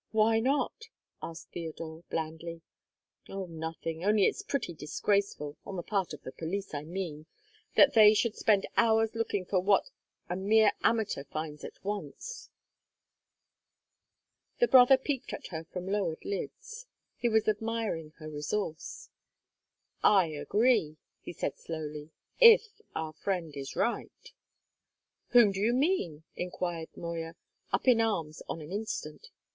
"Why not?" asked Theodore blandly. "Oh, nothing. Only it's pretty disgraceful on the part of the police, I mean that they should spend hours looking for what a mere amateur finds at once!" The brother peeped at her from lowered lids. He was admiring her resource. "I agree," he said slowly, "if our friend is right." "Whom do you mean?" inquired Moya, up in arms on the instant.